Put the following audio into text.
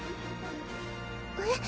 えっ？